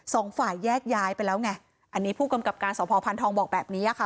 สองฝ่ายแยกย้ายไปแล้วไงอันนี้ผู้กำกับการสพพันธองบอกแบบนี้ค่ะ